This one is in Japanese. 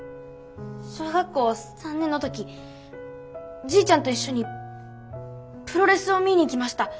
小学校３年の時じいちゃんと一緒にプロレスを見に行きました。